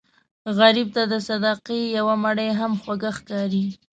غریب ته د صدقې یو مړۍ هم خوږ ښکاري